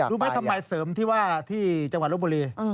รู้ไหมทำไมเสริมที่ว่าที่จังหวัดลบบุรี